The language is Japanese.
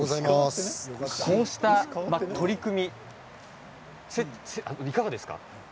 こうした取り組みいかがですか？